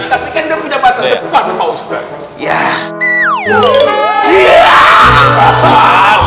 tapi kan dia punya masa depan pak ustadz